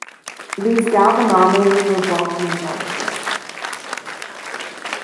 These galvanometers were bulky and delicate.